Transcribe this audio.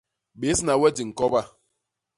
Bésna we di ñkoba.